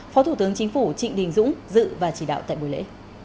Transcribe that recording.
phó thủ tướng chính phủ trịnh đình dũng dự và chỉ đạo tại buổi lễ